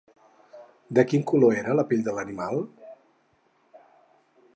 De quin color era la pell de l'animal?